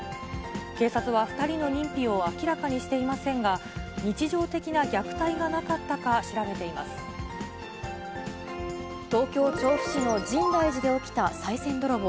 警察は２人の認否を明らかにしていませんが、日常的な虐待がなか東京・調布市の深大寺で起きたさい銭泥棒。